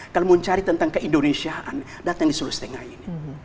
kalau mau cari tentang keindonesiaan datang di seluruh setengah ini